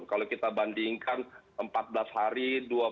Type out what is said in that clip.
kalau kita bandingkan empat belas hari